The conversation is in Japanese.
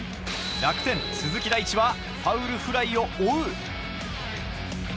楽天・鈴木大地はファウルフライを追う。